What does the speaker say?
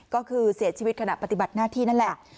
ก็คือเสียชีวิตขณะปฏิบัติหน้าที่นั่นแหละ